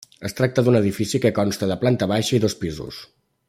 Es tracta d’un edifici que consta de planta baixa i dos pisos.